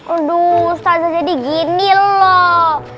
aduh standarnya jadi gini loh